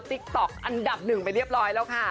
ติ๊กต๊อกอันดับหนึ่งไปเรียบร้อยแล้วค่ะ